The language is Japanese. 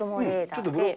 ちょっと。